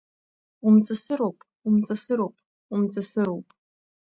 Умҵысыроуп, умҵысыроуп, умҵысыроуп…